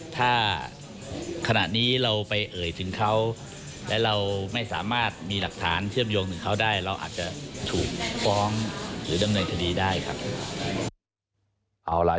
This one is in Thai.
ถ้าขณะนี้เราไปเอ่ยถึงเขาและเราไม่สามารถมีหลักฐานเชื่อมโยงถึงเขาได้เราอาจจะถูกฟ้องหรือดำเนินคดีได้ครับ